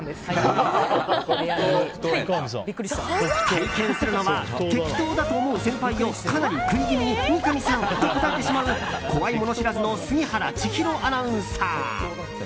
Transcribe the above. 体験するのはてきとだと思う先輩をかなり食い気味に三上さんと答えてしまう怖いもの知らずの杉原千尋アナウンサー。